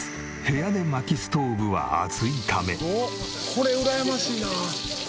これうらやましいな！